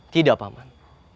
tidak pak man